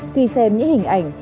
khi xem những hình ảnh